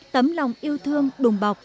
tấm lòng yêu thương đùng bọc